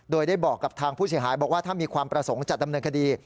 โดยได้บอกกับทางผู้เสียหายบอกว่าถ้ามีความประสงค์จะดำเนินคดี